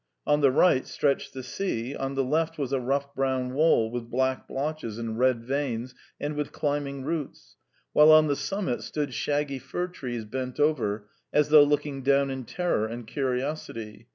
On the right stretched the sea; on the left was a rough brown wall with black blotches and red veins and with climbing roots; while on the summit stood shaggy fir trees bent over, as though looking down in terror and curiosity.